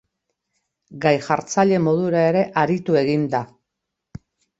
Gai-jartzaile modura ere aritu egin da n.